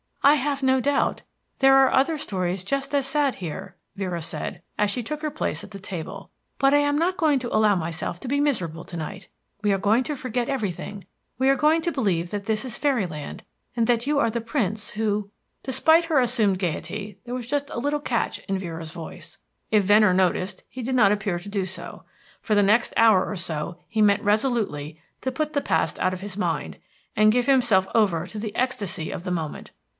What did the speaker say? "I have no doubt there are other stories just as sad here," Vera said, as she took her place at the table. "But I am not going to allow myself to be miserable to night. We are going to forget everything; we are going to believe that this is Fairyland, and that you are the Prince who " Despite her assumed gaiety there was just a little catch in Vera's voice. If Venner noticed it he did not appear to do so. For the next hour or so he meant resolutely to put the past out of his mind, and give himself over to the ecstasy of the moment....